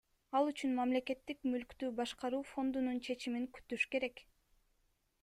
Ал үчүн Мамлекеттик мүлктү башкаруу фондунун чечимин күтүш керек.